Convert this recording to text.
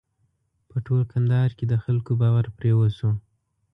په ټول کندهار کې د خلکو باور پرې وشو.